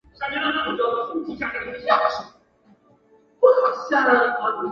武川众是甲斐国边境的武士团。